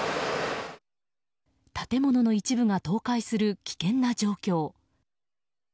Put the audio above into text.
建物の一部が倒壊する危険な状況。